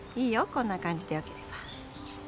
こんな感じでよければ。